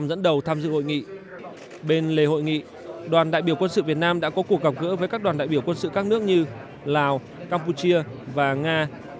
đã có cuộc gặp gỡ với các đoàn đại biểu quân sự các nước như lào campuchia và nga